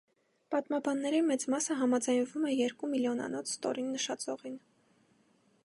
Պատմաբանների մեծ մասը համաձայնվում է երկու միլիոնանոց ստորին նշաձողին։